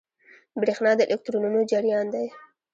برېښنا د الکترونونو جریان دی.